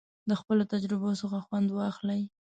د خپلو تجربو څخه خوند واخلئ.